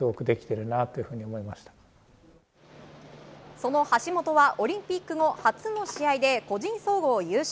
その橋本はオリンピック後初の試合で個人総合優勝。